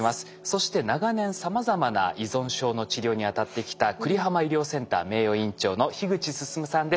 そして長年さまざまな依存症の治療にあたってきた久里浜医療センター名誉院長の樋口進さんです。